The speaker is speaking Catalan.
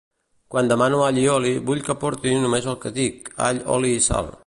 Quan demano allioli vull que porti només el que dic all oli i sal